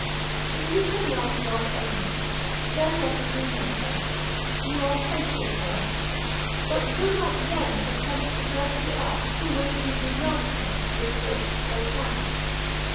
If you can love one only, then let it be Nature; you are safe with her: but do not then attempt to judge the art, to which you do not care to give thought, or time.